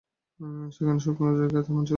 সেখানে শুকনো জায়গা তেমন ছিল না।